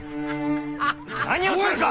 何をするか！